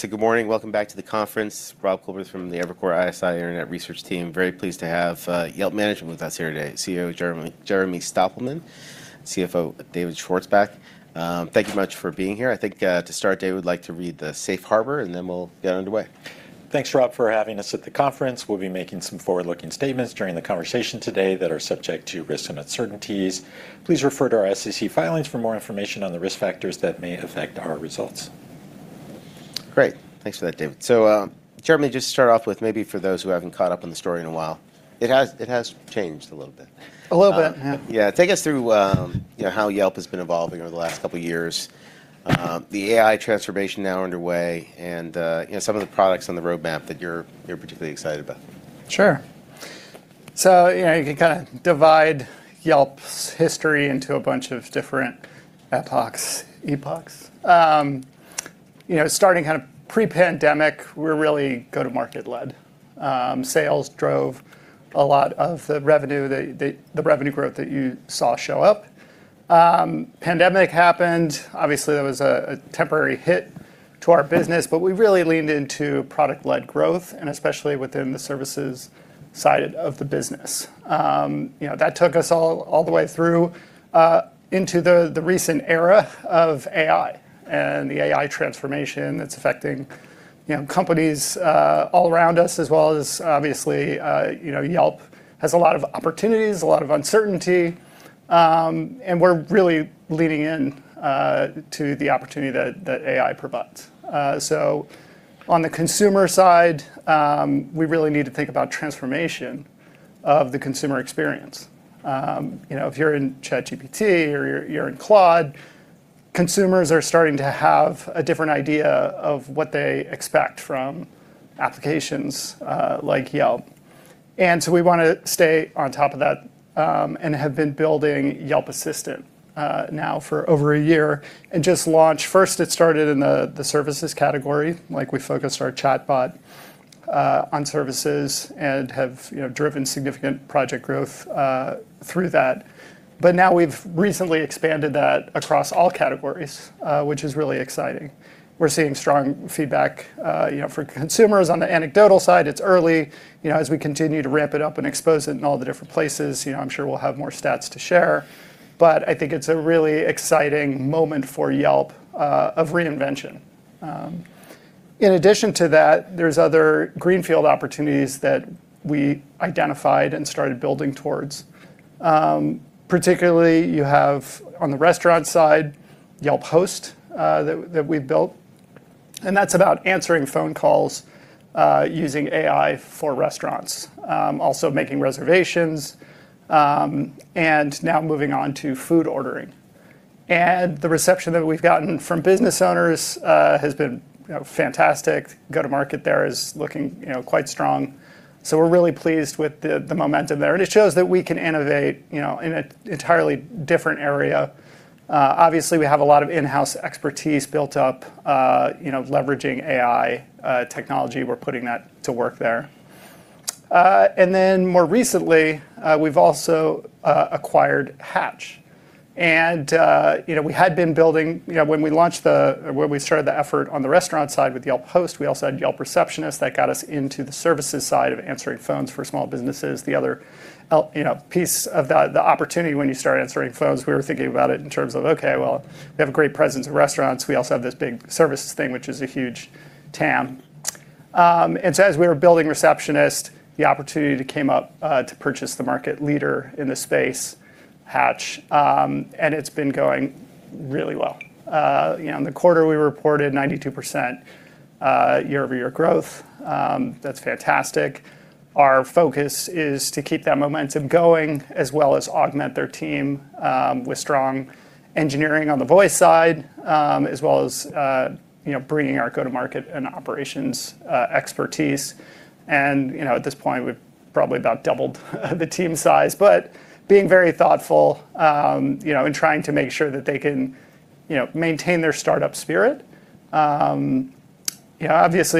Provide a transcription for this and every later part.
Good morning. Welcome back to the conference. Rob Coolbrith from the Evercore ISI Internet research team. Very pleased to have Yelp management with us here today. CEO Jeremy Stoppelman, CFO David Schwarzbach. Thank you much for being here. I think to start, Dave, we'd like to read the Safe Harbor and then we'll get underway. Thanks, Rob, for having us at the conference. We'll be making some forward-looking statements during the conversation today that are subject to risks and uncertainties. Please refer to our SEC filings for more information on the risk factors that may affect our results. Great. Thanks for that, David. Jeremy, just to start off with, maybe for those who haven't caught up on the story in a while, it has changed a little bit. A little bit. Yeah. Yeah. Take us through how Yelp has been evolving over the last couple of years, the AI transformation now underway and some of the products on the roadmap that you're particularly excited about. Sure. You can kind of divide Yelp's history into a bunch of different epochs. Starting kind of pre-pandemic, we're really go-to-market led. Sales drove a lot of the revenue growth that you saw show up. Pandemic happened, obviously, that was a temporary hit to our business, but we really leaned into product-led growth, and especially within the services side of the business. That took us all the way through into the recent era of AI and the AI transformation that's affecting companies all around us as well as obviously, Yelp has a lot of opportunities, a lot of uncertainty. We're really leaning into the opportunity that AI provides. On the consumer side, we really need to think about transformation of the consumer experience. If you're in ChatGPT or you're in Claude, consumers are starting to have a different idea of what they expect from applications like Yelp. We want to stay on top of that, and have been building Yelp Assistant now for over a year and just launched. First, it started in the services category. We focused our chatbot on services and have driven significant project growth through that. Now we've recently expanded that across all categories, which is really exciting. We're seeing strong feedback for consumers. On the anecdotal side, it's early. As we continue to ramp it up and expose it in all the different places, I'm sure we'll have more stats to share, but I think it's a really exciting moment for Yelp of reinvention. In addition to that, there's other greenfield opportunities that we identified and started building towards. Particularly, you have on the restaurant side, Yelp Host, that we've built. That's about answering phone calls using AI for restaurants. Making reservations, now moving on to food ordering. The reception that we've gotten from business owners has been fantastic. Go-to-market there is looking quite strong. We're really pleased with the momentum there. It shows that we can innovate in an entirely different area. Obviously, we have a lot of in-house expertise built up leveraging AI technology. We're putting that to work there. More recently, we've also acquired Hatch. We had been building, when we started the effort on the restaurant side with Yelp Host, we also had Yelp Receptionist that got us into the services side of answering phones for small businesses. The other piece of the opportunity when you start answering phones, we were thinking about it in terms of, okay, well, we have a great presence at restaurants. We also have this big services thing, which is a huge TAM. As we were building Receptionist, the opportunity came up to purchase the market leader in this space, Hatch, and it's been going really well. In the quarter, we reported 92% year-over-year growth. That's fantastic. Our focus is to keep that momentum going as well as augment their team with strong engineering on the voice side, as well as bringing our go-to-market and operations expertise. At this point, we've probably about doubled the team size. Being very thoughtful in trying to make sure that they can maintain their startup spirit. Obviously,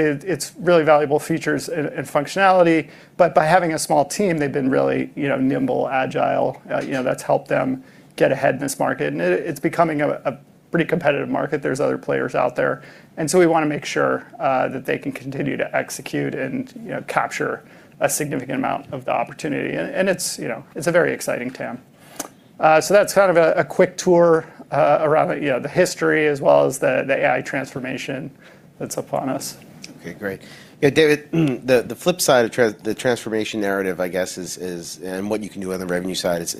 it's really valuable features and functionality, but by having a small team, they've been really nimble, agile. That's helped them get ahead in this market. It's becoming a pretty competitive market. There's other players out there. We want to make sure that they can continue to execute and capture a significant amount of the opportunity. It's a very exciting TAM. That's kind of a quick tour around the history as well as the AI transformation that's upon us. Okay, great. Yeah, David, the flip side of the transformation narrative, I guess, and what you can do on the revenue side is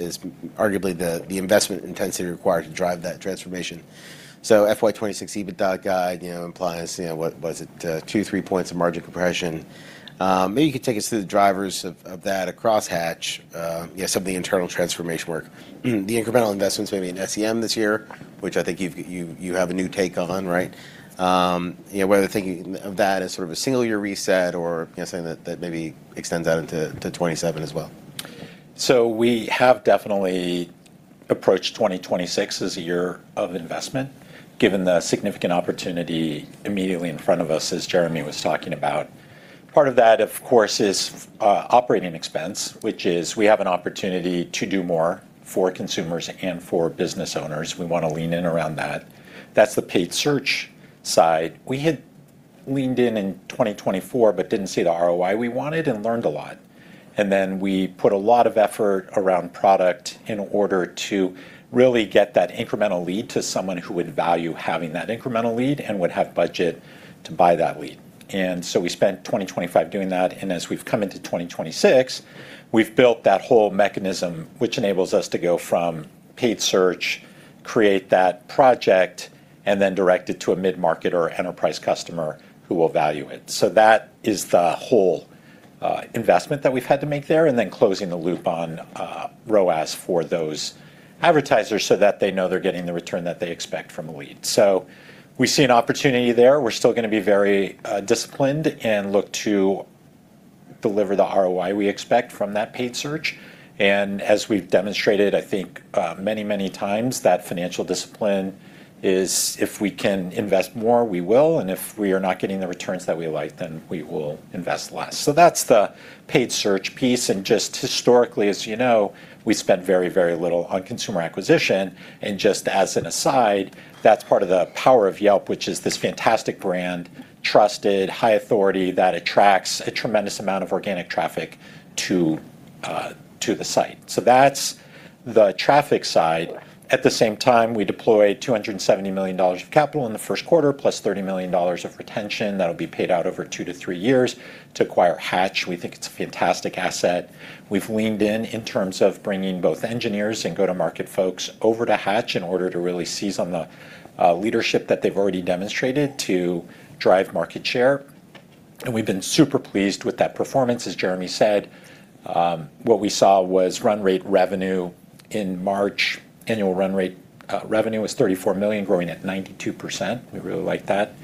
arguably the investment intensity required to drive that transformation. FY 2026 EBITDA guide implies, what was it? Two, three points of margin compression. Maybe you could take us through the drivers of that across Hatch. Yeah, some of the internal transformation work. The incremental investments may be in SEM this year, which I think you have a new take on, right? Whether thinking of that as sort of a single-year reset or something that maybe extends out into 2027 as well. We have definitely approached 2026 as a year of investment, given the significant opportunity immediately in front of us, as Jeremy was talking about. Part of that, of course, is operating expense, which is we have an opportunity to do more for consumers and for business owners. We want to lean in around that. That's the paid search side. We had leaned in in 2024, but didn't see the ROI we wanted and learned a lot. We put a lot of effort around product in order to really get that incremental lead to someone who would value having that incremental lead and would have budget to buy that lead. We spent 2025 doing that, and as we've come into 2026, we've built that whole mechanism which enables us to go from paid search, create that project, and then direct it to a mid-market or enterprise customer who will value it. That is the whole investment that we've had to make there, and then closing the loop on ROAS for those advertisers so that they know they're getting the return that they expect from a lead. We see an opportunity there. We're still going to be very disciplined and look to deliver the ROI we expect from that paid search. As we've demonstrated, I think many times, that financial discipline is if we can invest more, we will, and if we are not getting the returns that we like, then we will invest less. That's the paid search piece. Just historically, as you know, we spent very, very little on consumer acquisition. Just as an aside, that's part of the power of Yelp, which is this fantastic brand, trusted, high authority that attracts a tremendous amount of organic traffic to the site. That's the traffic side. At the same time, we deployed $270 million of capital in the first quarter, plus $30 million of retention that'll be paid out over two to three years to acquire Hatch. We think it's a fantastic asset. We've leaned in in terms of bringing both engineers and go-to-market folks over to Hatch in order to really seize on the leadership that they've already demonstrated to drive market share. We've been super pleased with that performance. As Jeremy said, what we saw was run rate revenue in March. Annual run rate revenue was $34 million, growing at 92%. We really like that.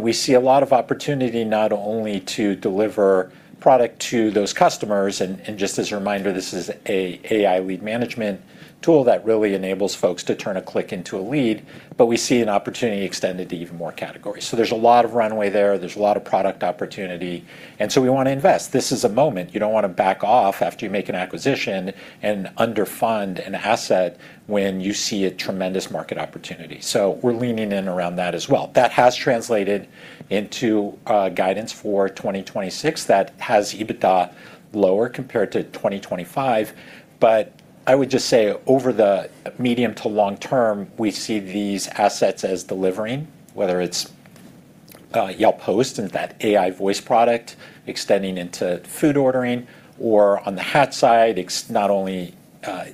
We see a lot of opportunity not only to deliver product to those customers, and just as a reminder, this is an AI lead management tool that really enables folks to turn a click into a lead, but we see an opportunity extended to even more categories. There's a lot of runway there. There's a lot of product opportunity, and so we want to invest. This is a moment. You don't want to back off after you make an acquisition and underfund an asset when you see a tremendous market opportunity. We're leaning in around that as well. That has translated into guidance for 2026 that has EBITDA lower compared to 2025. I would just say over the medium to long term, we see these assets as delivering, whether it's Yelp Host and that AI voice product extending into food ordering or on the Hatch side, it's not only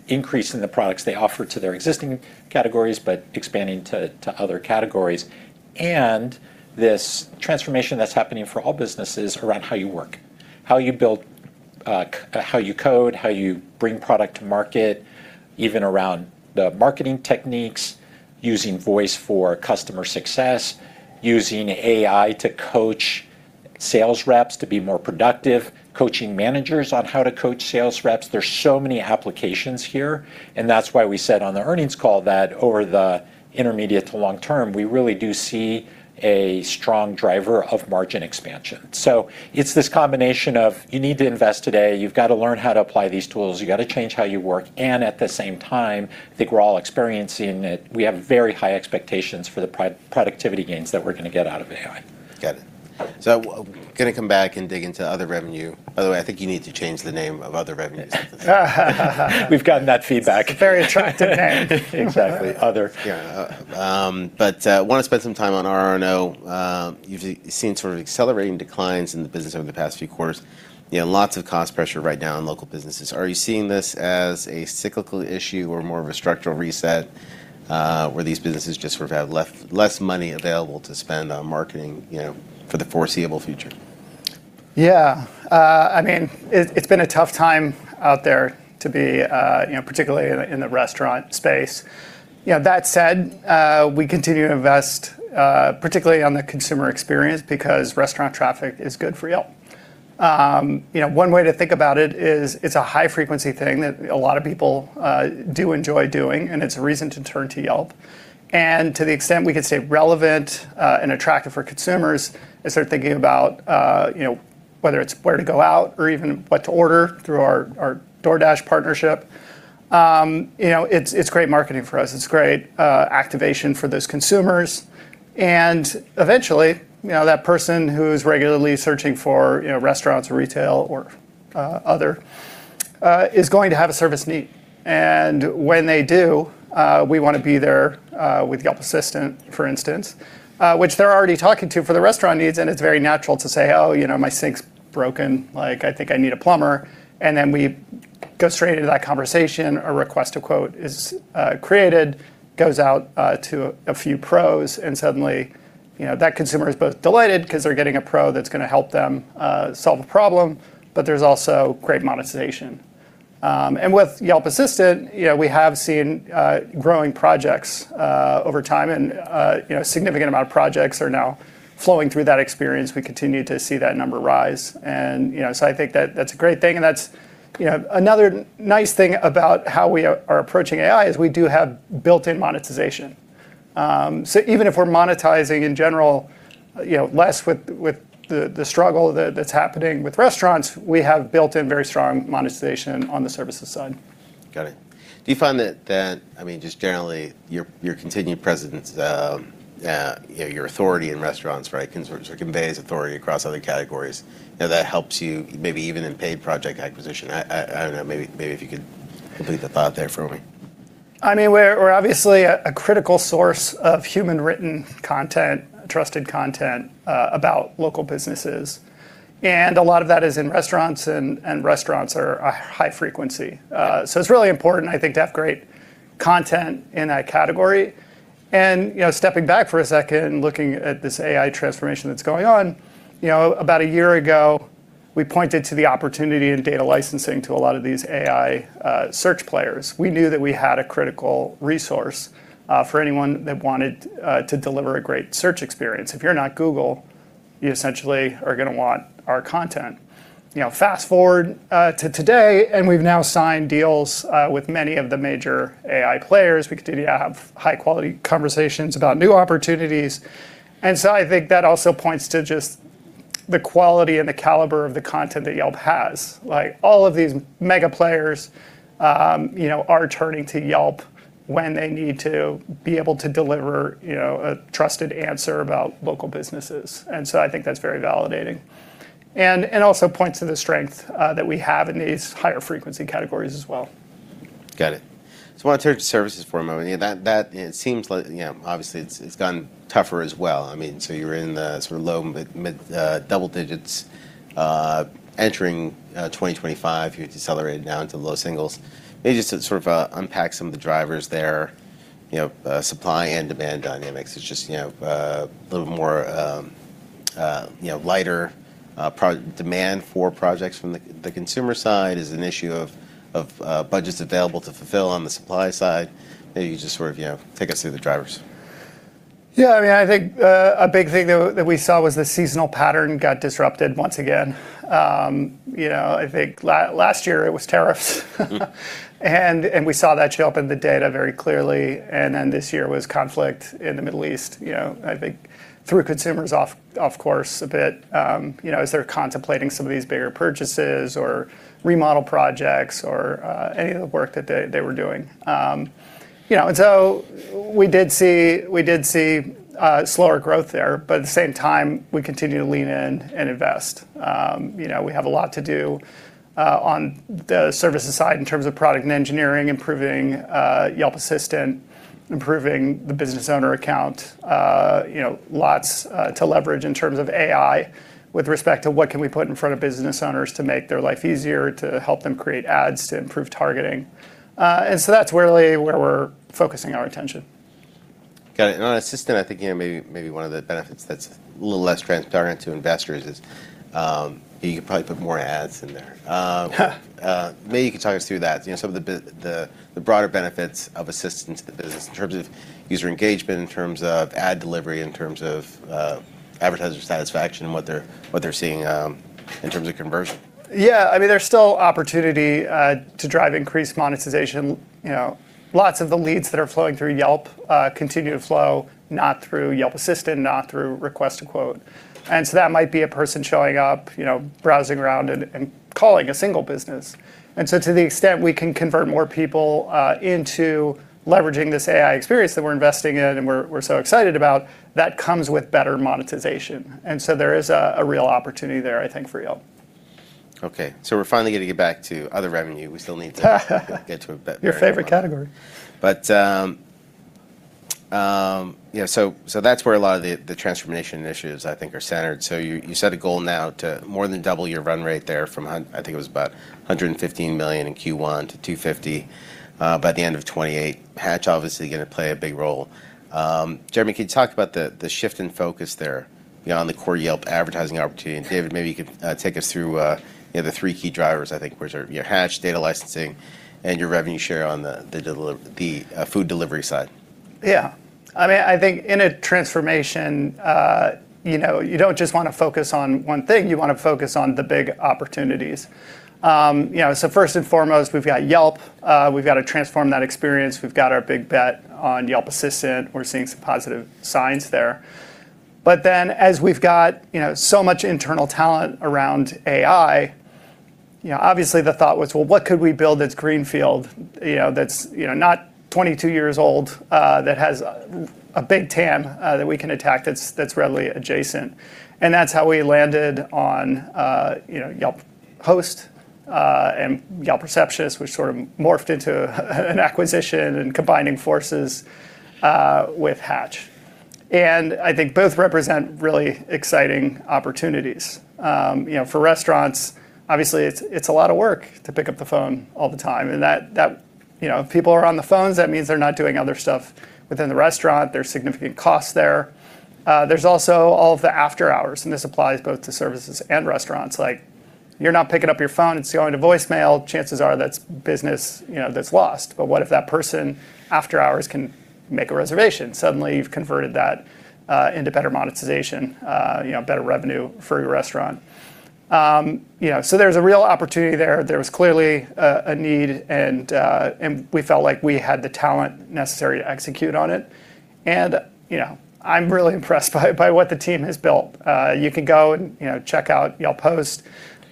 increase in the products they offer to their existing categories, but expanding to other categories. This transformation that's happening for all businesses around how you work, how you build, how you code, how you bring product to market, even around the marketing techniques, using voice for customer success, using AI to coach sales reps to be more productive, coaching managers on how to coach sales reps. There's so many applications here, and that's why we said on the earnings call that over the intermediate to long term, we really do see a strong driver of margin expansion. It's this combination of you need to invest today, you've got to learn how to apply these tools, you got to change how you work, and at the same time, I think we're all experiencing it. We have very high expectations for the productivity gains that we're going to get out of AI. Got it. Going to come back and dig into other revenue. By the way, I think you need to change the name of other revenue. We've gotten that feedback. It's a very attractive name. Exactly. Other. I want to spend some time on RR&O. You've seen sort of accelerating declines in the business over the past few quarters. Lots of cost pressure right now on local businesses. Are you seeing this as a cyclical issue or more of a structural reset, or these businesses just sort of have less money available to spend on marketing for the foreseeable future? Yeah. It's been a tough time out there to be, particularly in the restaurant space. That said, we continue to invest, particularly on the consumer experience, because restaurant traffic is good for Yelp. One way to think about it is it's a high-frequency thing that a lot of people do enjoy doing, and it's a reason to turn to Yelp. To the extent we could stay relevant and attractive for consumers as they're thinking about whether it's where to go out or even what to order through our DoorDash partnership. It's great marketing for us. It's great activation for those consumers. Eventually, that person who's regularly searching for restaurants or retail or other, is going to have a service need. When they do, we want to be there, with Yelp Assistant, for instance, which they're already talking to for the restaurant needs. It's very natural to say, "Oh, my sink's broken. I think I need a plumber." We go straight into that conversation. A Request a Quote is created, goes out to a few pros, suddenly, that consumer is both delighted because they're getting a pro that's going to help them solve a problem, but there's also great monetization. With Yelp Assistant, we have seen growing projects over time and a significant amount of projects are now flowing through that experience. We continue to see that number rise. I think that's a great thing. Another nice thing about how we are approaching AI is we do have built-in monetization. Even if we're monetizing in general less with the struggle that's happening with restaurants, we have built-in very strong monetization on the services side. Got it. Do you find that just generally, your continued presence, your authority in restaurants, right, conveys authority across other categories? That helps you maybe even in paid project acquisition. I don't know. Maybe if you could complete the thought there for me. We're obviously a critical source of human written content, trusted content, about local businesses, and a lot of that is in restaurants, and restaurants are a high frequency. It's really important, I think, to have great content in that category. Stepping back for a second and looking at this AI transformation that's going on, about a year ago, we pointed to the opportunity in data licensing to a lot of these AI search players. We knew that we had a critical resource for anyone that wanted to deliver a great search experience. If you're not Google, you essentially are going to want our content. Fast-forward to today, we've now signed deals with many of the major AI players. We continue to have high-quality conversations about new opportunities. I think that also points to just the quality and the caliber of the content that Yelp has. All of these mega players are turning to Yelp when they need to be able to deliver a trusted answer about local businesses. I think that's very validating. Also points to the strength that we have in these higher frequency categories as well. Got it. I want to turn to services for a moment. Obviously, it's gotten tougher as well. You were in the sort of low mid double digits, entering 2025, you decelerated down to the low singles. Maybe just to sort of unpack some of the drivers there, supply and demand dynamics is just a little more lighter. Demand for projects from the consumer side is an issue of budgets available to fulfill on the supply side. Maybe you can just sort of take us through the drivers. Yeah. I think a big thing that we saw was the seasonal pattern got disrupted once again. I think last year it was tariffs. We saw that show up in the data very clearly, then this year was conflict in the Middle East. I think threw consumers off course a bit, as they're contemplating some of these bigger purchases or remodel projects or any of the work that they were doing. So we did see slower growth there, but at the same time, we continue to lean in and invest. We have a lot to do on the services side in terms of product and engineering, improving Yelp Assistant, improving the business owner account. Lots to leverage in terms of AI with respect to what can we put in front of business owners to make their life easier, to help them create ads, to improve targeting. So that's really where we're focusing our attention. Got it. On Assistant, I think maybe one of the benefits that's a little less transparent to investors is, you could probably put more ads in there. Maybe you could talk us through that, some of the broader benefits of Assistant to the business in terms of user engagement, in terms of ad delivery, in terms of advertiser satisfaction and what they're seeing in terms of conversion. Yeah. There's still opportunity to drive increased monetization. Lots of the leads that are flowing through Yelp continue to flow not through Yelp Assistant, not through Request a Quote. That might be a person showing up, browsing around and calling a single business. To the extent we can convert more people into leveraging this AI experience that we're investing in and we're so excited about, that comes with better monetization. There is a real opportunity there, I think, for Yelp. Okay. We're finally going to get back to other revenue. We still need to get to it. Your favorite category That's where a lot of the transformation initiatives, I think, are centered. You set a goal now to more than double your run rate there from, I think it was about $115 million in Q1 to $250 million by the end of 2028. Hatch obviously going to play a big role. Jeremy, can you talk about the shift in focus there on the core Yelp advertising opportunity? David, maybe you could take us through the three key drivers, I think, which are your Hatch, data licensing and your revenue share on the food delivery side. I think in a transformation, you don't just want to focus on one thing. You want to focus on the big opportunities. First and foremost, we've got Yelp. We've got to transform that experience. We've got our big bet on Yelp Assistant. We're seeing some positive signs there. As we've got so much internal talent around AI, obviously the thought was, "Well, what could we build that's greenfield, that's not 22 years old, that has a big TAM that we can attack that's readily adjacent?" That's how we landed on Yelp Host, and Yelp Receptionist, which sort of morphed into an acquisition and combining forces with Hatch. I think both represent really exciting opportunities. For restaurants, obviously it's a lot of work to pick up the phone all the time, and if people are on the phones, that means they're not doing other stuff within the restaurant. There's significant costs there. There's also all of the after-hours, and this applies both to services and restaurants. Like, you're not picking up your phone, it's going to voicemail, chances are that's business that's lost. What if that person after hours can make a reservation? Suddenly, you've converted that into better monetization, better revenue for your restaurant. There's a real opportunity there. There was clearly a need, and we felt like we had the talent necessary to execute on it. I'm really impressed by what the team has built. You can go and check out Yelp Host,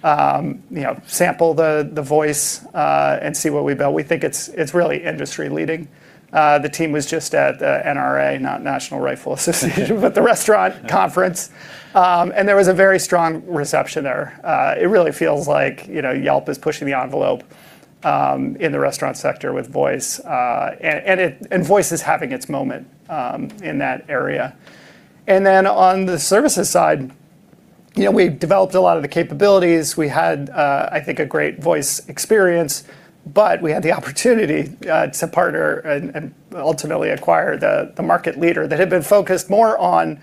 you know, sample the voice, and see what we built. We think it's really industry-leading. The team was just at NRA, not National Rifle Association, but the restaurant conference. There was a very strong reception there. It really feels like, you know, Yelp is pushing the envelope in the restaurant sector with voice. Voice is having its moment in that area. On the services side, you know, we've developed a lot of the capabilities. We had, I think a great voice experience, but we had the opportunity to partner and ultimately acquire the market leader that had been focused more on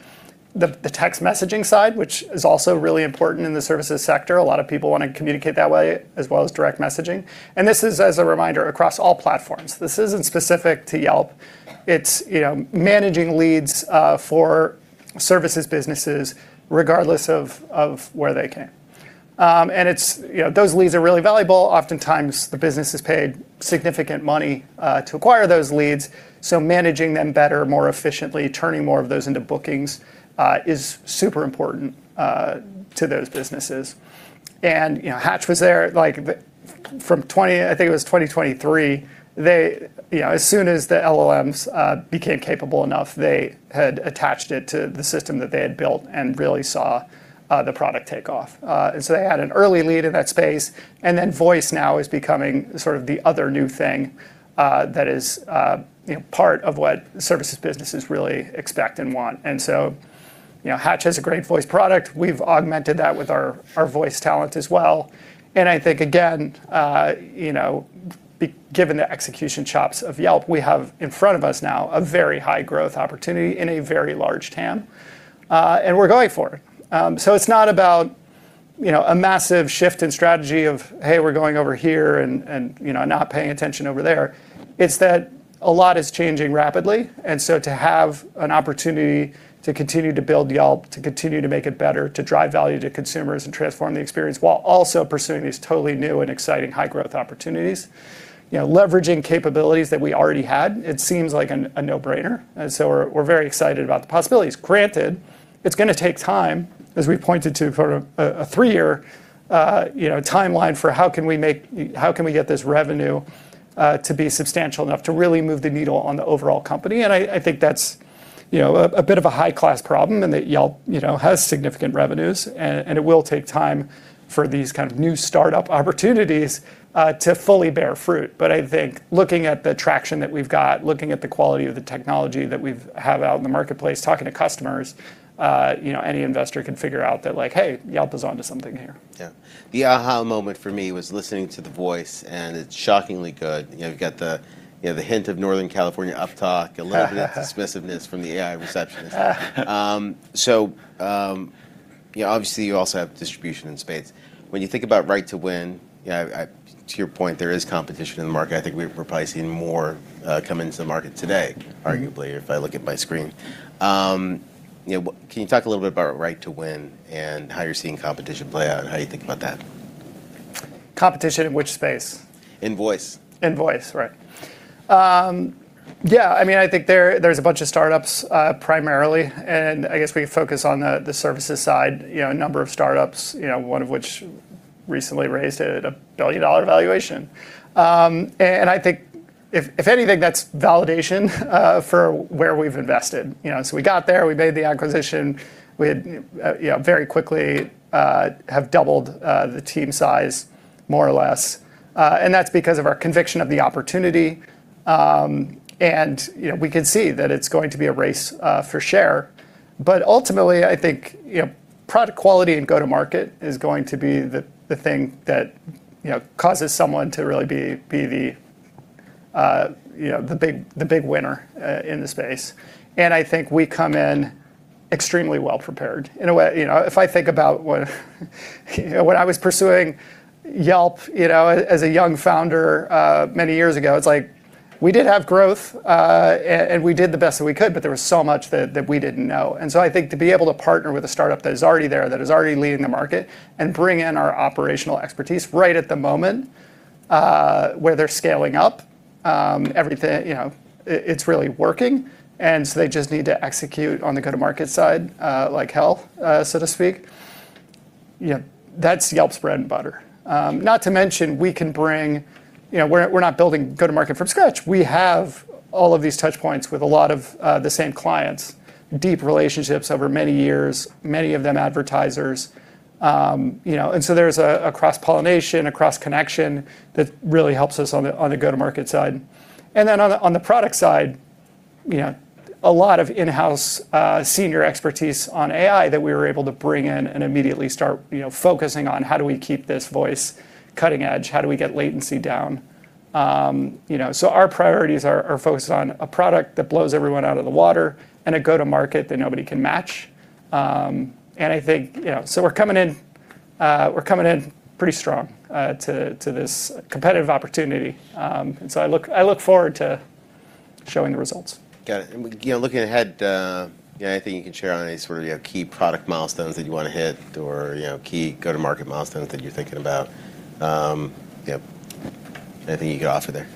the text messaging side, which is also really important in the services sector. A lot of people want to communicate that way, as well as direct messaging. This is as a reminder across all platforms. This isn't specific to Yelp. It's, you know, managing leads for services businesses regardless of where they came. It's, you know, those leads are really valuable. Oftentimes the business has paid significant money to acquire those leads, managing them better, more efficiently, turning more of those into bookings is super important to those businesses. You know, Hatch was there like from 20 I think it was 2023. You know, as soon as the LLMs became capable enough, they had attached it to the system that they had built and really saw the product take off. They had an early lead in that space, voice now is becoming sort of the other new thing that is, you know, part of what services businesses really expect and want. You know, Hatch has a great voice product. We've augmented that with our voice talent as well. I think again, you know, given the execution chops of Yelp, we have in front of us now a very high growth opportunity in a very large TAM. We're going for it. It's not about, you know, a massive shift in strategy of, hey, we're going over here and, you know, not paying attention over there. It's that a lot is changing rapidly. To have an opportunity to continue to build Yelp, to continue to make it better, to drive value to consumers and transform the experience, while also pursuing these totally new and exciting high-growth opportunities, you know, leveraging capabilities that we already had, it seems like a no-brainer. We're very excited about the possibilities. Granted, it's going to take time, as we pointed to, for a three-year, you know, timeline for how can we get this revenue to be substantial enough to really move the needle on the overall company. I think that's, you know, a bit of a high-class problem in that Yelp has significant revenues, and it will take time for these kind of new startup opportunities to fully bear fruit. I think looking at the traction that we've got, looking at the quality of the technology that we've had out in the marketplace, talking to customers, you know, any investor can figure out that like, "Hey, Yelp is onto something here. The aha moment for me was listening to the voice, and it's shockingly good. You know, you've got the hint of Northern California uptalk, a little bit of dismissiveness from the Yelp Receptionist. You know, obviously, you also have distribution in spades. When you think about right to win, you know, to your point, there is competition in the market. I think we're probably seeing more come into the market today, arguably, if I look at my screen. You know, can you talk a little bit about right to win and how you're seeing competition play out, and how do you think about that? Competition in which space? In voice. In voice. Right. Yeah. I mean, I think there's a bunch of startups, primarily, and I guess we focus on the services side, you know, a number of startups, you know, one of which recently raised a billion-dollar valuation. I think if anything, that's validation for where we've invested. You know, we got there, we made the acquisition. We had, you know, very quickly, have doubled the team size more or less. That's because of our conviction of the opportunity, you know, we can see that it's going to be a race for share. Ultimately, I think, you know, product quality and go-to-market is going to be the thing that, you know, causes someone to really be the, you know, the big winner in the space. I think we come in extremely well prepared. In a way, you know, if I think about when I was pursuing Yelp, you know, as a young founder, many years ago, it's like we did have growth, and we did the best that we could, but there was so much that we didn't know. I think to be able to partner with a startup that is already there, that is already leading the market, and bring in our operational expertise right at the moment where they're scaling up, everything, you know, it's really working, and so they just need to execute on the go-to-market side, like health, so to speak. You know, that's Yelp's bread and butter. Not to mention we can bring You know, we're not building go-to-market from scratch. We have all of these touch points with a lot of the same clients, deep relationships over many years, many of them advertisers. You know, there's a cross-pollination, a cross connection that really helps us on the go-to-market side. On the product side, you know, a lot of in-house senior expertise on AI that we were able to bring in and immediately start, you know, focusing on: How do we keep this voice cutting edge? How do we get latency down? You know, our priorities are focused on a product that blows everyone out of the water and a go-to-market that nobody can match. I think, you know, we're coming in, we're coming in pretty strong to this competitive opportunity. I look forward to showing the results. Got it. You know, looking ahead, you know, anything you can share on any sort of, you know, key product milestones that you want to hit or, you know, key go-to-market milestones that you're thinking about? You know, anything you can offer there?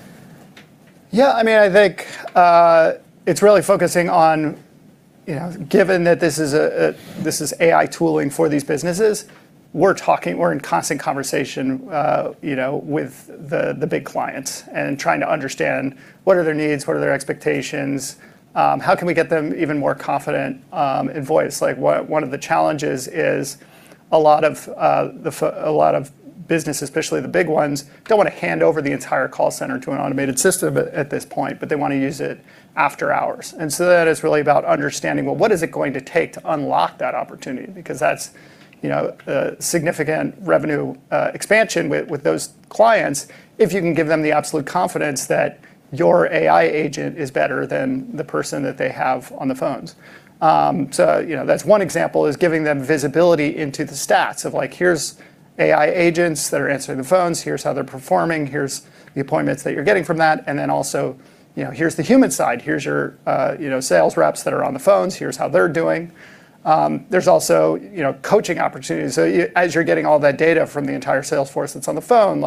Yeah, I think it's really focusing on, given that this is AI tooling for these businesses, we're in constant conversation with the big clients and trying to understand what are their needs, what are their expectations, how can we get them even more confident in voice. One of the challenges is a lot of businesses, especially the big ones, don't want to hand over the entire call center to an automated system at this point, but they want to use it after hours. That is really about understanding, well, what is it going to take to unlock that opportunity? That's significant revenue expansion with those clients if you can give them the absolute confidence that your AI agent is better than the person that they have on the phones. That's one example, is giving them visibility into the stats of here's AI agents that are answering the phones, here's how they're performing, here's the appointments that you're getting from that, and then also, here's the human side. Here's your sales reps that are on the phones. Here's how they're doing. There's also coaching opportunities. As you're getting all that data from the entire sales force that's on the phone,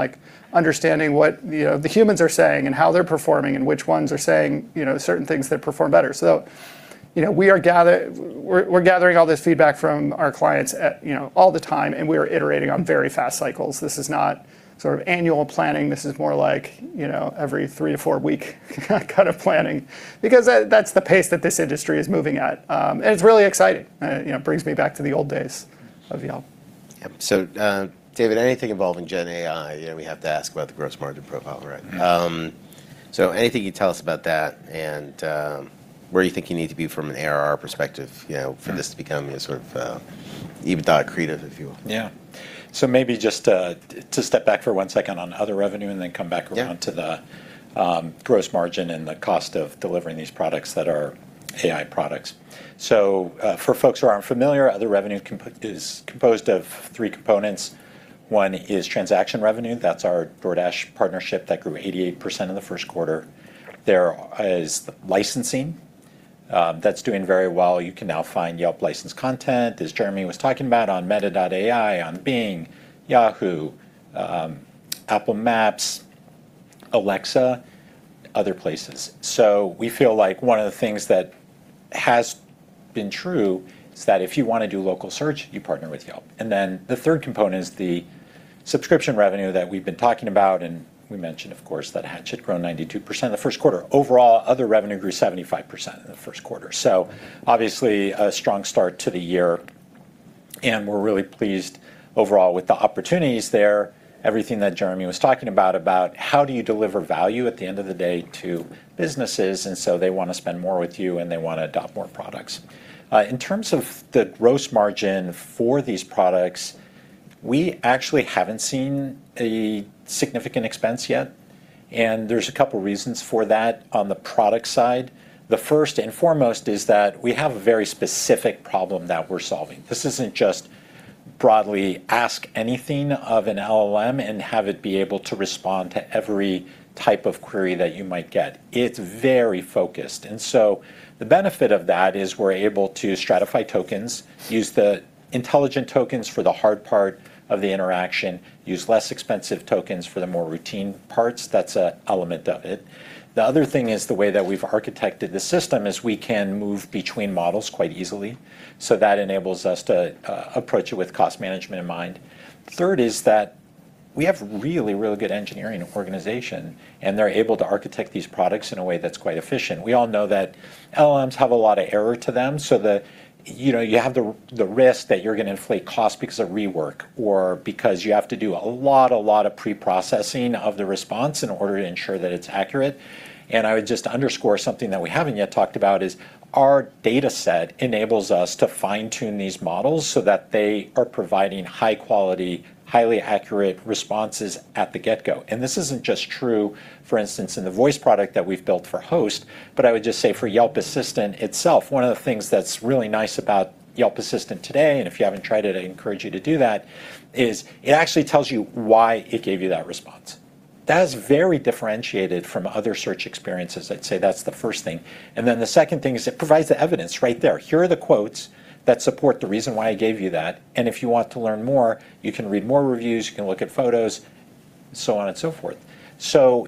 understanding what the humans are saying and how they're performing and which ones are saying certain things that perform better. We're gathering all this feedback from our clients all the time, and we are iterating on very fast cycles. This is not annual planning. This is more like every three or four-week kind of planning, because that's the pace that this industry is moving at. It's really exciting. It brings me back to the old days of Yelp. Yep. David, anything involving Gen AI, we have to ask about the gross margin profile, right? Anything you can tell us about that and where you think you need to be from an ARR perspective for this to become a sort of EBITDA accretive, if you will? Yeah. Maybe just to step back for one second on other revenue and then come back around. Yeah to the gross margin and the cost of delivering these products that are AI products. For folks who aren't familiar, other revenue is composed of three components. One is transaction revenue. That's our DoorDash partnership that grew 88% in the first quarter. There is licensing. That's doing very well. You can now find Yelp licensed content, as Jeremy was talking about, on meta.ai, on Bing, Yahoo, Apple Maps, Alexa, other places. We feel like one of the things that has been true is that if you want to do local search, you partner with Yelp. The third component is the subscription revenue that we've been talking about, and we mentioned, of course, that Hatch had grown 92% in the first quarter. Overall, other revenue grew 75% in the first quarter. Obviously, a strong start to the year, and we're really pleased overall with the opportunities there. Everything that Jeremy was talking about how do you deliver value at the end of the day to businesses, and so they want to spend more with you and they want to adopt more products. In terms of the gross margin for these products, we actually haven't seen a significant expense yet, and there's a couple of reasons for that on the product side. The first and foremost is that we have a very specific problem that we're solving. This isn't just broadly ask anything of an LLM and have it be able to respond to every type of query that you might get. It's very focused. The benefit of that is we're able to stratify tokens, use the intelligent tokens for the hard part of the interaction, use less expensive tokens for the more routine parts. That's an element of it. The other thing is the way that we've architected the system is we can move between models quite easily, so that enables us to approach it with cost management in mind. The third is that we have a really, really good engineering organization, and they're able to architect these products in a way that's quite efficient. We all know that LLMs have a lot of error to them, so you have the risk that you're going to inflate costs because of rework or because you have to do a lot of pre-processing of the response in order to ensure that it's accurate. I would just underscore something that we haven't yet talked about, is our data set enables us to fine-tune these models so that they are providing high-quality, highly accurate responses at the get-go. This isn't just true, for instance, in the voice product that we've built for Host, but I would just say for Yelp Assistant itself, one of the things that's really nice about Yelp Assistant today, and if you haven't tried it, I encourage you to do that, is it actually tells you why it gave you that response. That is very differentiated from other search experiences. I'd say that's the first thing. The second thing is it provides the evidence right there. Here are the quotes that support the reason why I gave you that, and if you want to learn more, you can read more reviews, you can look at photos, so on and so forth.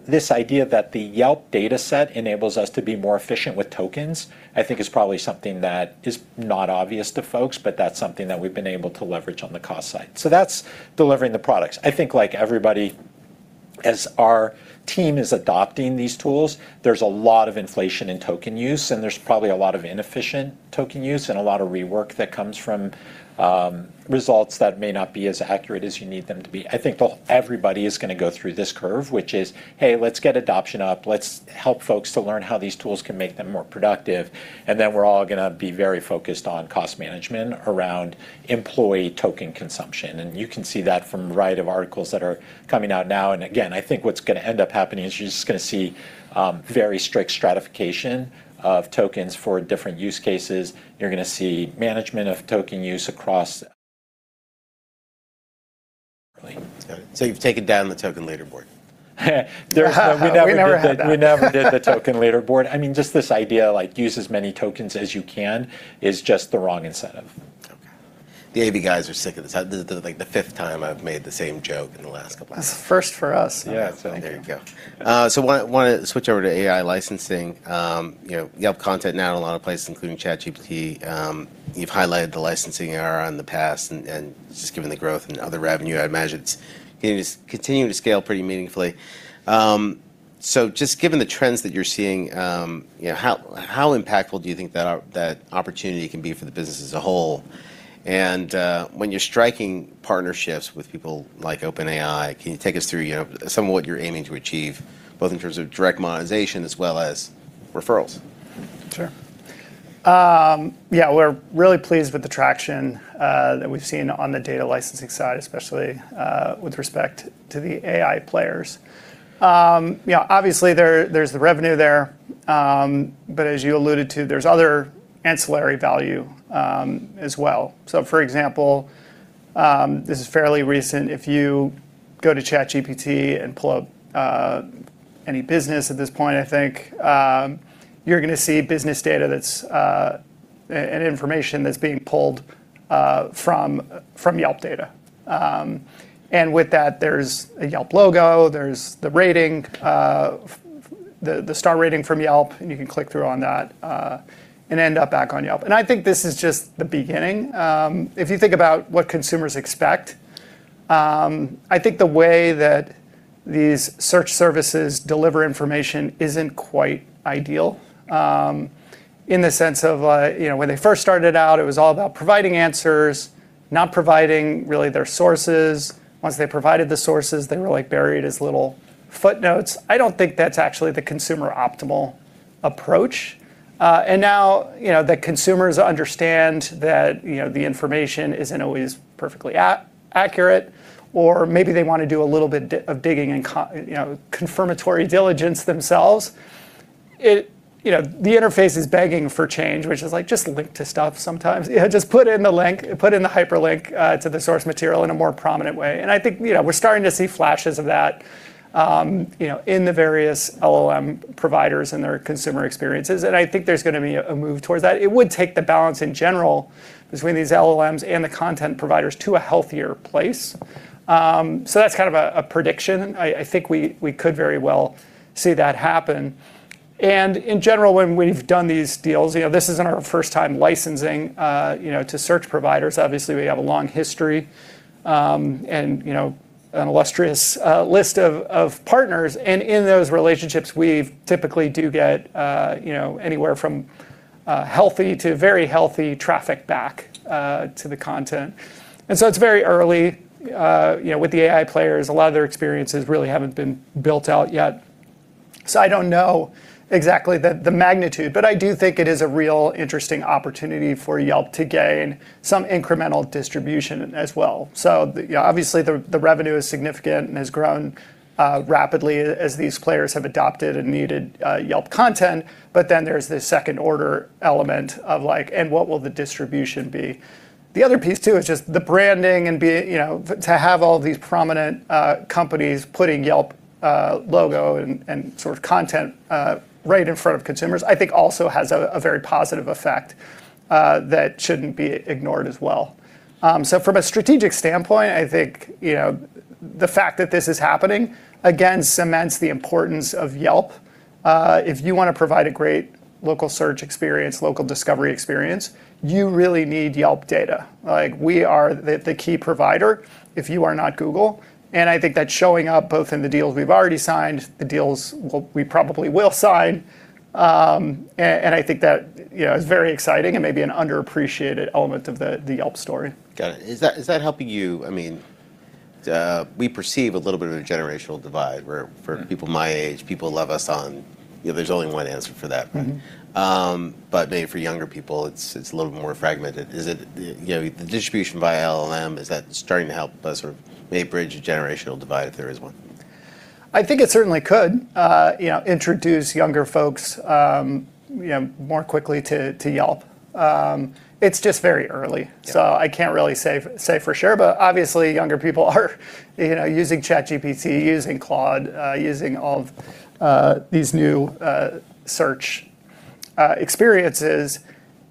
This idea that the Yelp data set enables us to be more efficient with tokens, I think is probably something that is not obvious to folks, but that's something that we've been able to leverage on the cost side. That's delivering the products. I think like everybody, as our team is adopting these tools, there's a lot of inflation in token use, and there's probably a lot of inefficient token use and a lot of rework that comes from results that may not be as accurate as you need them to be. I think everybody is going to go through this curve, which is, hey, let's get adoption up. Let's help folks to learn how these tools can make them more productive. Then we're all going to be very focused on cost management around employee token consumption. You can see that from a variety of articles that are coming out now. Again, I think what's going to end up happening is you're just going to see very strict stratification of tokens for different use cases. You're going to see management of token use across. You've taken down the token leaderboard. We never did- We never had that. We never did the token leaderboard. Just this idea, use as many tokens as you can is just the wrong incentive. The AB guys are sick of this. This is like the fifth time I've made the same joke in the last couple hours. It's a first for us. Yeah. There you go. I want to switch over to AI licensing. Yelp content now in a lot of places, including ChatGPT. You've highlighted the licensing era in the past, and just given the growth in other revenue, I'd imagine it's going to just continue to scale pretty meaningfully. Just given the trends that you're seeing, how impactful do you think that opportunity can be for the business as a whole? When you're striking partnerships with people like OpenAI, can you take us through some of what you're aiming to achieve, both in terms of direct monetization as well as referrals? Sure. Yeah, we're really pleased with the traction that we've seen on the data licensing side, especially with respect to the AI players. Obviously, there's the revenue there, but as you alluded to, there's other ancillary value as well. For example, this is fairly recent. If you go to ChatGPT and pull up any business at this point, I think, you're going to see business data and information that's being pulled from Yelp data. With that, there's a Yelp logo, there's the rating, the star rating from Yelp, and you can click through on that, and end up back on Yelp. I think this is just the beginning. If you think about what consumers expect, I think the way that these search services deliver information isn't quite ideal, in the sense of when they first started out, it was all about providing answers, not providing really their sources. Once they provided the sources, they were buried as little footnotes. I don't think that's actually the consumer-optimal approach. Now, the consumers understand that the information isn't always perfectly accurate, or maybe they want to do a little bit of digging and confirmatory diligence themselves. The interface is begging for change, which is just link to stuff sometimes. Yeah, just put in the hyperlink to the source material in a more prominent way. I think we're starting to see flashes of that in the various LLM providers and their consumer experiences. I think there's going to be a move towards that. It would take the balance in general between these LLMs and the content providers to a healthier place. That's kind of a prediction. I think we could very well see that happen. In general, when we've done these deals, this isn't our first time licensing to search providers. Obviously, we have a long history, and an illustrious list of partners. In those relationships, we typically do get anywhere from healthy to very healthy traffic back to the content. It's very early. With the AI players, a lot of their experiences really haven't been built out yet. I don't know exactly the magnitude, but I do think it is a real interesting opportunity for Yelp to gain some incremental distribution as well. Obviously, the revenue is significant and has grown rapidly as these players have adopted and needed Yelp content, there's the second-order element of like, and what will the distribution be? The other piece, too, is just the branding and to have all these prominent companies putting Yelp logo and sort of content right in front of consumers, I think also has a very positive effect that shouldn't be ignored as well. From a strategic standpoint, I think the fact that this is happening, again, cements the importance of Yelp. If you want to provide a great local search experience, local discovery experience, you really need Yelp data. Like, we are the key provider if you are not Google, and I think that's showing up both in the deals we've already signed, the deals we probably will sign. I think that is very exciting and maybe an underappreciated element of the Yelp story. Got it. Is that helping you? I mean, we perceive a little bit of a generational divide where for people my age, people love us on, there's only one answer for that, right? Maybe for younger people, it's a little more fragmented. The distribution by LLM, is that starting to help us or maybe bridge a generational divide if there is one? I think it certainly could introduce younger folks more quickly to Yelp. It's just very early, so I can't really say for sure. Obviously, younger people are using ChatGPT, using Claude, using all of these new search experiences.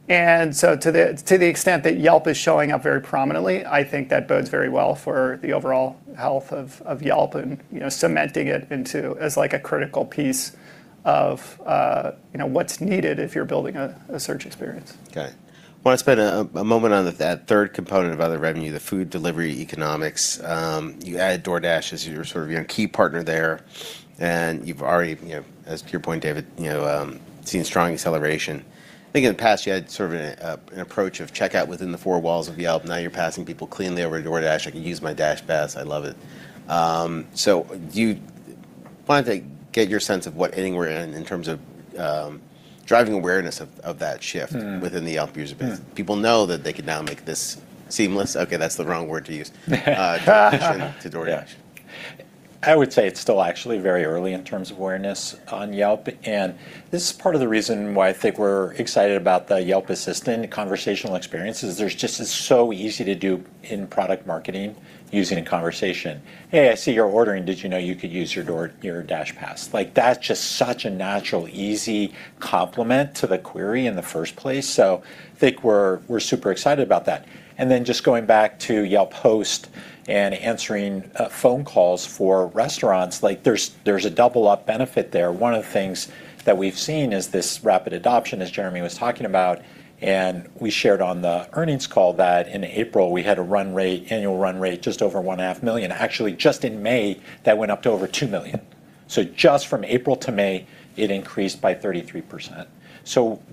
To the extent that Yelp is showing up very prominently, I think that bodes very well for the overall health of Yelp and cementing it into as like a critical piece of what's needed if you're building a search experience. Okay. I want to spend a moment on that third component of other revenue, the food delivery economics. You added DoorDash as your sort of your key partner there, and you've already, as to your point, David, seen strong acceleration. I think in the past you had sort of an approach of checkout within the four walls of Yelp. Now you're passing people cleanly over to DoorDash. I can use my DashPass. I love it. Do you plan to get your sense of what inning we're in in terms of driving awareness of that shift within the Yelp user base? People know that they can now make this seamless. Okay, that's the wrong word to use, transition to DoorDash. I would say it's still actually very early in terms of awareness on Yelp. This is part of the reason why I think we're excited about the Yelp Assistant conversational experience is there's just it's so easy to do in-product marketing using a conversation. "Hey, I see you're ordering. Did you know you could use your DashPass?" Like that's just such a natural, easy complement to the query in the first place. I think we're super excited about that. Just going back to Yelp Host and answering phone calls for restaurants, there's a double-up benefit there. One of the things that we've seen is this rapid adoption, as Jeremy was talking about, and we shared on the earnings call that in April, we had an annual run rate just over $1.5 million. Actually, just in May, that went up to over 2 million. Just from April to May, it increased by 33%.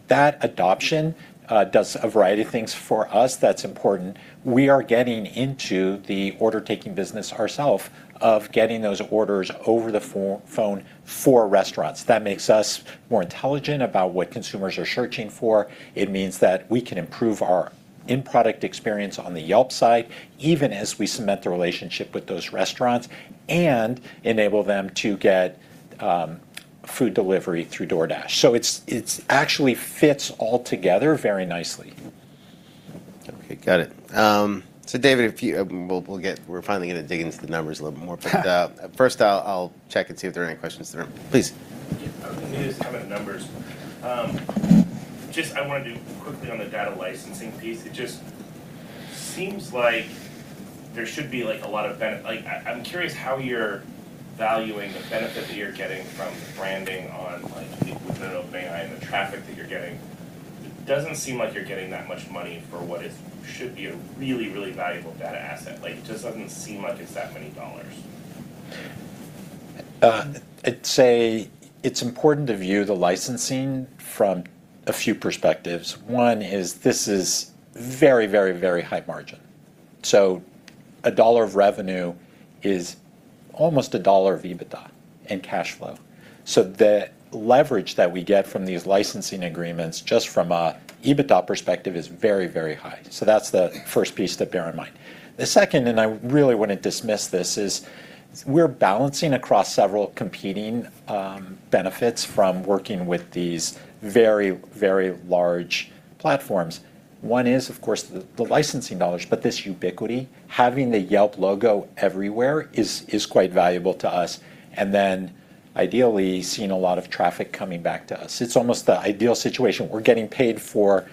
That adoption does a variety of things for us that's important. We are getting into the order-taking business ourself of getting those orders over the phone for restaurants. That makes us more intelligent about what consumers are searching for. It means that we can improve our in-product experience on the Yelp site, even as we cement the relationship with those restaurants and enable them to get food delivery through DoorDash. It actually fits all together very nicely. Okay. Got it. David, we're finally going to dig into the numbers a little bit more. First I'll check and see if there are any questions in the room. Please. I was going to ask about the numbers. I wanted to quickly on the data licensing piece, it just seems like there should be a lot of benefit. I'm curious how you're valuing the benefit that you're getting from the branding on OpenAI and the traffic that you're getting. It doesn't seem like you're getting that much money for what should be a really, really valuable data asset. It just doesn't seem like it's that many dollars. I'd say it's important to view the licensing from a few perspectives. One is this is very, very, very high margin. A dollar of revenue is almost a dollar of EBITDA and cash flow. The leverage that we get from these licensing agreements, just from an EBITDA perspective, is very, very high. That's the first piece to bear in mind. The second, and I really wouldn't dismiss this, is we're balancing across several competing benefits from working with these very, very large platforms. One is, of course, the licensing dollars, but this ubiquity, having the Yelp logo everywhere is quite valuable to us. Ideally seeing a lot of traffic coming back to us. It's almost the ideal situation. We're getting paid for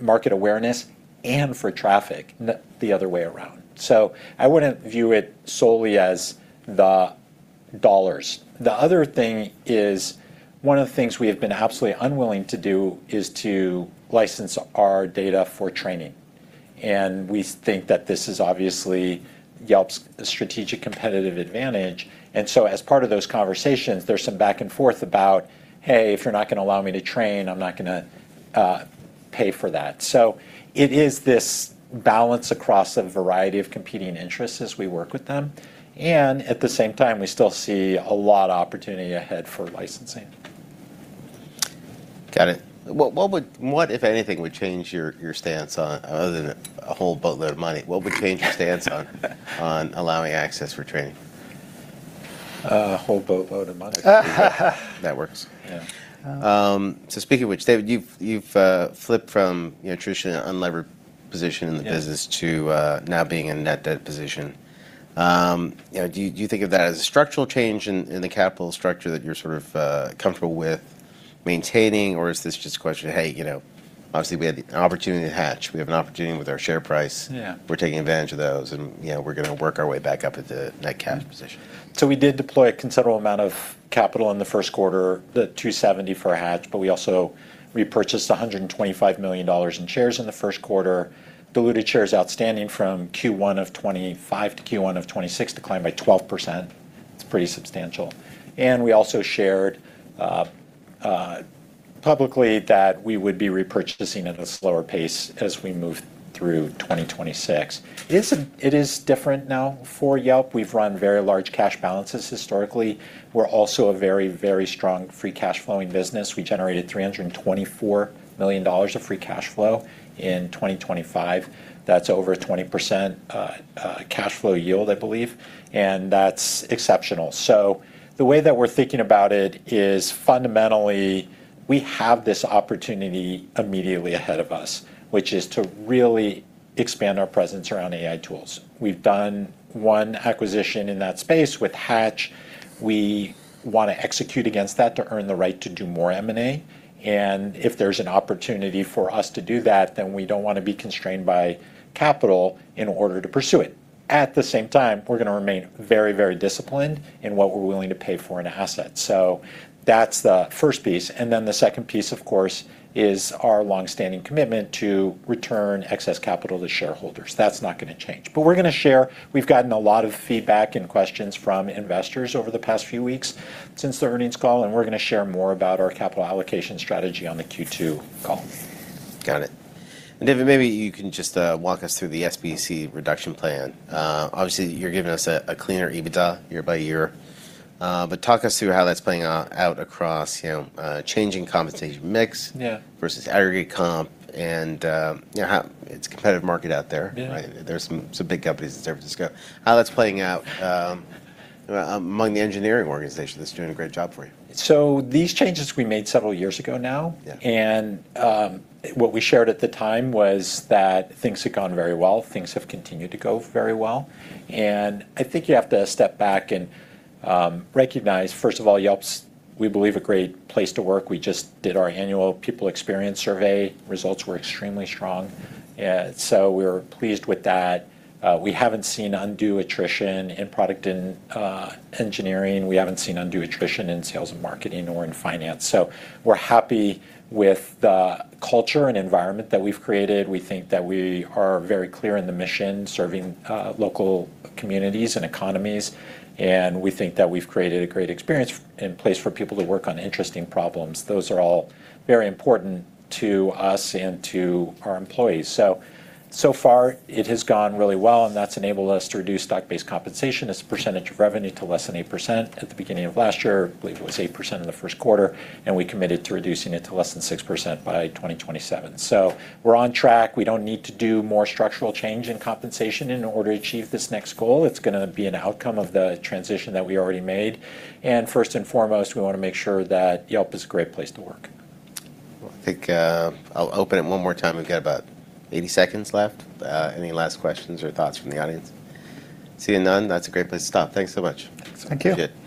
market awareness and for traffic, not the other way around. I wouldn't view it solely as the dollars. The other thing is one of the things we have been absolutely unwilling to do is to license our data for training. We think that this is obviously Yelp's strategic competitive advantage. As part of those conversations, there's some back and forth about, "Hey, if you're not going to allow me to train, I'm not going to pay for that." It is this balance across a variety of competing interests as we work with them. At the same time, we still see a lot of opportunity ahead for licensing. Got it. What, if anything, would change your stance on, other than a whole boatload of money, your stance on allowing access for training? A whole boatload of money. That works. Yeah. Speaking of which, David, you've flipped from a traditionally unlevered position in the business. Yeah to now being in a net debt position. Do you think of that as a structural change in the capital structure that you're sort of comfortable with maintaining? Or is this just a question of, hey, obviously we had an opportunity to Hatch. We have an opportunity with our share price. Yeah. We're taking advantage of those, and we're going to work our way back up into net cash position. We did deploy a considerable amount of capital in the first quarter, $270 for Hatch, but we also repurchased $125 million in shares in the first quarter. Diluted shares outstanding from Q1 of 2025 to Q1 of 2026 declined by 12%. It's pretty substantial. We also shared publicly that we would be repurchasing at a slower pace as we move through 2026. It is different now for Yelp. We've run very large cash balances historically. We're also a very, very strong free cash flowing business. We generated $324 million of free cash flow in 2025. That's over a 20% cash flow yield, I believe, and that's exceptional. The way that we're thinking about it is fundamentally, we have this opportunity immediately ahead of us, which is to really expand our presence around AI tools. We've done one acquisition in that space with Hatch. We want to execute against that to earn the right to do more M&A. If there's an opportunity for us to do that, then we don't want to be constrained by capital in order to pursue it. At the same time, we're going to remain very, very disciplined in what we're willing to pay for an asset. That's the first piece. The second piece, of course, is our longstanding commitment to return excess capital to shareholders. That's not going to change. We're going to share, we've gotten a lot of feedback and questions from investors over the past few weeks since the earnings call, and we're going to share more about our capital allocation strategy on the Q2 call. Got it. David, maybe you can just walk us through the SBC reduction plan. Obviously, you're giving us a cleaner EBITDA year by year. Talk us through how that's playing out across changing compensation mix? Yeah versus aggregate comp and how it's a competitive market out there, right? Yeah. There's some big companies in San Francisco. How that's playing out among the engineering organization that's doing a great job for you. These changes we made several years ago now. Yeah. What we shared at the time was that things had gone very well. Things have continued to go very well. I think you have to step back and recognize, first of all, Yelp's, we believe, a great place to work. We just did our annual people experience survey. Results were extremely strong. We were pleased with that. We haven't seen undue attrition in product engineering. We haven't seen undue attrition in sales and marketing or in finance. We're happy with the culture and environment that we've created. We think that we are very clear in the mission, serving local communities and economies. We think that we've created a great experience and place for people to work on interesting problems. Those are all very important to us and to our employees. So far it has gone really well, and that's enabled us to reduce stock-based compensation as a percentage of revenue to less than 8%. At the beginning of last year, I believe it was 8% in the first quarter, and we committed to reducing it to less than 6% by 2027. We're on track. We don't need to do more structural change in compensation in order to achieve this next goal. It's going to be an outcome of the transition that we already made. First and foremost, we want to make sure that Yelp is a great place to work. Well, I think I'll open it one more time. We've got about 80 seconds left. Any last questions or thoughts from the audience? Seeing none, that's a great place to stop. Thanks so much. Thanks. Appreciate it.